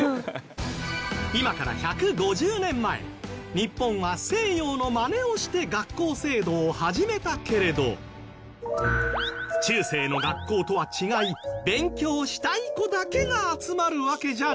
今から１５０年前日本は西洋のマネをして学校制度を始めたけれど中世の学校とは違い勉強したい子だけが集まるわけじゃない